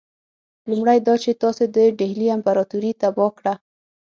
لومړی دا چې تاسي د ډهلي امپراطوري تباه کړه.